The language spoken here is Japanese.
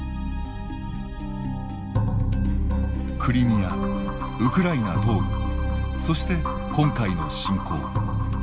クリミアウクライナ東部そして今回の侵攻。